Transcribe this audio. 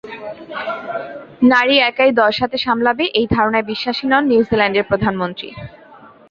নারী একাই দশ হাতে সব সামলাবে এই ধারণায় বিশ্বাসী নন নিউজিল্যান্ডের প্রধানমন্ত্রী।